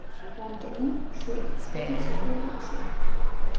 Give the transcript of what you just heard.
რამდენი? შვიდი. შვიდი ციყვი ყუთში.